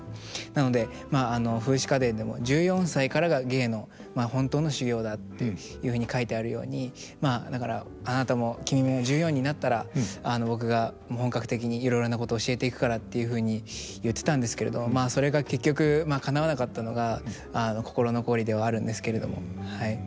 なので「『風姿花伝』でも１４歳からが芸の本当の修行だっていうふうに書いてあるようにまあだからあなたも君も１４になったら僕が本格的にいろいろなこと教えていくから」っていうふうに言ってたんですけれどまあそれが結局かなわなかったのが心残りではあるんですけれども。